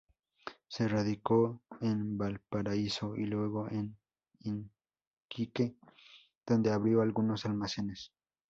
Se radicó en Valparaíso y luego en Iquique, donde abrió algunos almacenes.